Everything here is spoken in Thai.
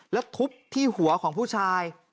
แล้วทุบที่หัวของผู้ชาย